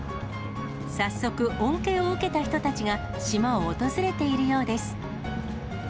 早速、恩恵を受けた人たちが、島を訪れているようです。